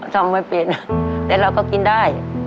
ทำไม่เป็นแต่เราก็กินได้